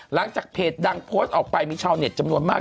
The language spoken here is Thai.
หลังจากเพจดังโพสต์ออกไปมีชาวเน็ตจำนวนมาก